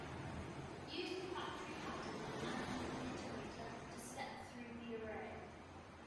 Use the factory pattern and an iterator to step through the array.